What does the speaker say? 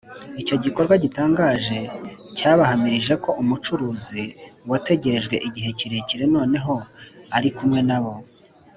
icyo gikorwa gitangaje cyabahamirije ko umucunguzi wategerejwe igihe kirekire noneho ari kumwe na bo